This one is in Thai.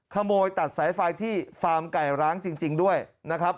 ขโมยตัดสายไฟที่ฟาร์มไก่ร้างจริงด้วยนะครับ